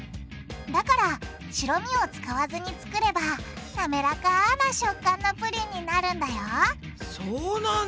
だから白身を使わずに作ればなめらかな食感のプリンになるんだよそうなんだ！